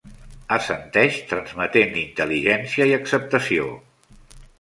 Assenteix transmetent intel·ligència i acceptació.